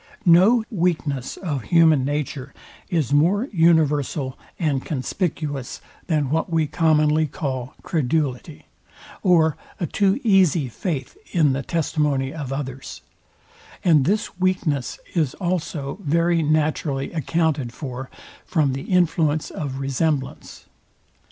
No weakness of human nature is more universal and conspicuous than what we commonly call CREDULITY, or a too easy faith in the testimony of others; and this weakness is also very naturally accounted for from the influence of resemblance.